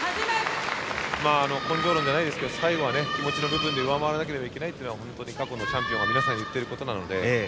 根性論じゃないですが最後は気持ちの部分で上回らなければいけないと過去のチャンピオンは皆さん言っていることなので。